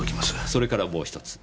それからもう１つ。